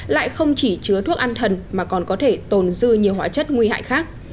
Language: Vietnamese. lại không chỉ chứa thuốc an thần mà còn có thể tồn dư nhiều hóa chất nguy hại khác